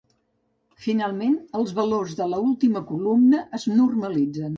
Finalment, els valors de l'última columna es normalitzen.